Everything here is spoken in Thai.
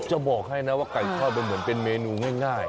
จะบอกให้นะว่ากาลเข้าเป็นเหมือนเป็นเมนูง่าย